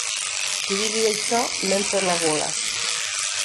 Qui digui això, ment per la gola.